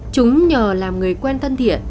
chúng nhờ làm người quen thân thiện